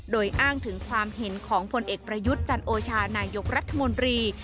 โดยอ้างถึงความเห็นของผลเอกประยุทธ์จันโอชานายกรัฐมนตรี